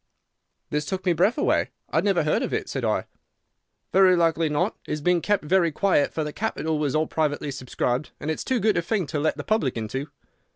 "This took my breath away. 'I never heard of it,' said I. "'Very likely not. It has been kept very quiet, for the capital was all privately subscribed, and it's too good a thing to let the public into.